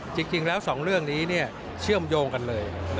จริงแล้ว๒เรื่องนี้เชื่อมโยงกันเลย